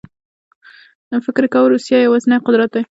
فکر یې کاوه روسیه یوازینی قدرت دی.